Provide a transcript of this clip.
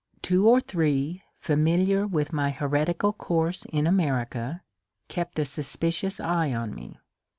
Two or three, familiar with my heretical course in America, kept a suspicious eye on me.